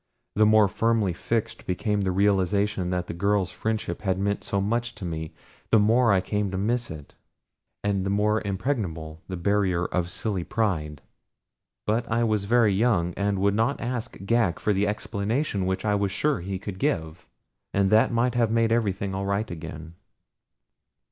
The more firmly fixed became the realization that the girl's friendship had meant so much to me, the more I came to miss it; and the more impregnable the barrier of silly pride. But I was very young and would not ask Ghak for the explanation which I was sure he could give, and that might have made everything all right again.